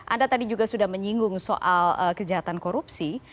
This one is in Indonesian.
anda tadi juga sudah menyinggung soal kejahatan korupsi